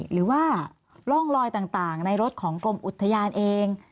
หรือว่าร่องลอยต่างในรถของกรมอุทยานเอง